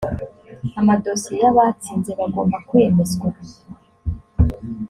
amadosiye y abatsinze bagomba kwemezwa